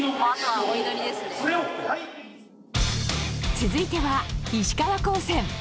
続いては石川高専。